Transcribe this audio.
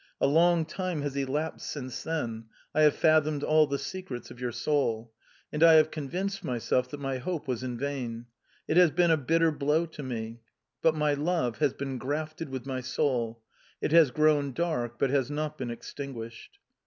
A long time has elapsed since then: I have fathomed all the secrets of your soul... and I have convinced myself that my hope was vain. It has been a bitter blow to me! But my love has been grafted with my soul; it has grown dark, but has not been extinguished.